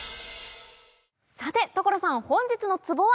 さて所さん本日のツボは？